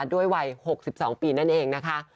ด้วยวัย๖๒ปีนั่นเองนะคะ